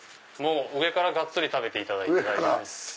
上からがっつり食べていただいて大丈夫です。